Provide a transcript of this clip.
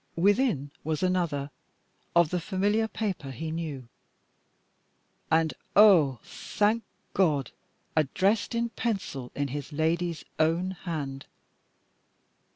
Within was another of the familiar paper he knew, and ah! thank God, addressed in pencil in his lady's own hand.